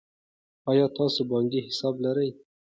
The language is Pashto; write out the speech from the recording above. آیا تاسو بانکي حساب لرئ.